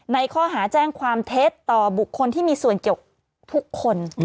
ในข้อหาแจ้งความเท็จต่อบุคคลที่มีส่วนเกี่ยวทุกคน